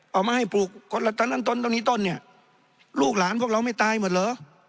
เอามาให้ปลูกตรงนั้นตรงนี้ตรงนี้ลูกหลานพวกเราไม่ตายหมดเหรอ